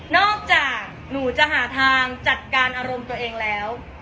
น้องจะหาทางชัดการอารมณ์ตัวเองแล้ว